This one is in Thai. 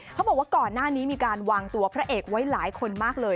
เขาบอกว่าก่อนหน้านี้มีการวางตัวพระเอกไว้หลายคนมากเลย